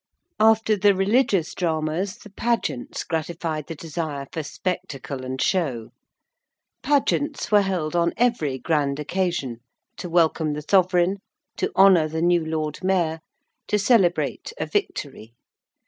After the religious dramas, the Pageants gratified the desire for spectacle and show. Pageants were held on every grand occasion: to welcome the sovereign: to honour the new Lord Mayor: to celebrate a victory.